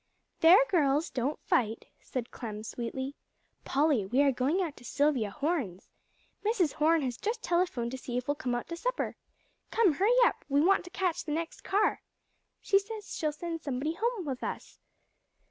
"There, girls, don't fight," said Clem sweetly. "Polly, we are going out to Silvia Horne's. Mrs. Horne has just telephoned to see if we'll come out to supper. Come, hurry up; we want to catch the next car. She says she'll send somebody home with us."